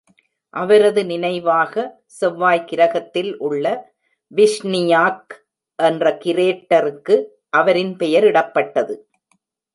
அவரது நினைவாக, செவ்வாய் கிரகத்தில் உள்ள விஷ்னியாக் என்ற கிரேட்டருக்கு அவரின் பெயரிடப்பட்டது.